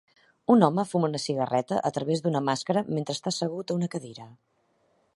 Un home fuma una cigarreta a través d'una màscara mentre està assegut a una cadira.